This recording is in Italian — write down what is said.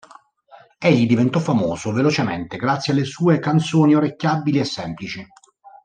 Egli diventò famoso velocemente, grazie alle sue canzoni orecchiabili e semplici.